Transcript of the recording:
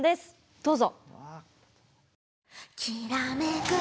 どうぞ！